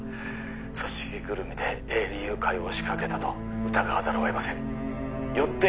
組織ぐるみで営利誘拐を仕掛けたと疑わざるをえませんよって